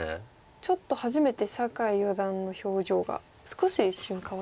ちょっと初めて酒井四段の表情が少し一瞬変わったかもしれないです